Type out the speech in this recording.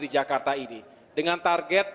di jakarta ini dengan target